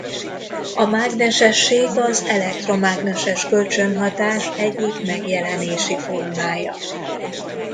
A mágnesesség az elektromágneses kölcsönhatás egyik megjelenési formája.